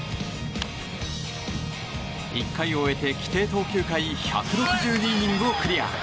１回を終えて、規定投球回１６２イニングをクリア。